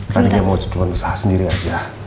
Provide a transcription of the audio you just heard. tadi dia mau jadwal mesah sendiri aja